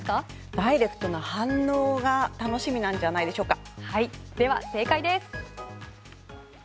ダイレクトな反応が楽しみなんじゃないでしょうか？